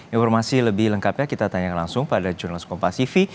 informasi lebih lengkapnya kita tanyakan langsung pada jurnalis kompasifi